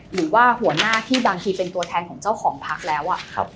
หรือว่าหัวหน้าที่บางทีเป็นตัวแทนของเจ้าของพักแล้ว